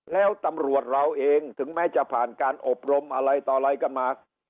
แล้วตำรวจเราเองถึงแม้จะผ่านการอบรมอะไรต่ออะไรกันมา